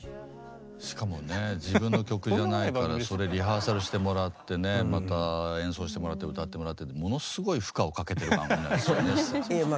しかもね自分の曲じゃないからそれリハーサルしてもらってねまた演奏してもらって歌ってもらってってものすごい負荷をかけてる番組なんですよね。